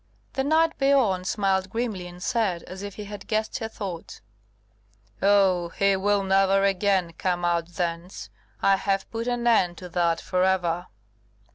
The knight Biorn smiled grimly, and said, as if he had guessed her thoughts: "Oh, he will never again come out thence; I have put an end to that for ever."